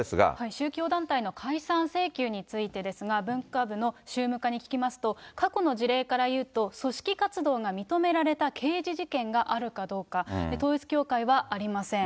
宗教団体の解散請求についてですが、文化部の宗務課に聞きますと、過去の事例から言うと、組織活動が認められた刑事事件があるかどうか、統一教会はありません。